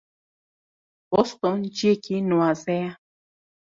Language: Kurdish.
Boston ciyekî nuwaze ye.